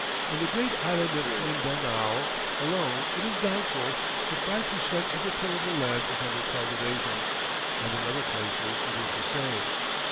In the great island of Mindanao alone it is doubtful if five per cent of the tillable land is under cultivation, and in other places it is the same.